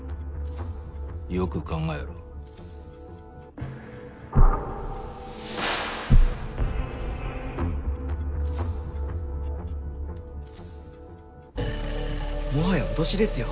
よく考えろもはや脅しですよ。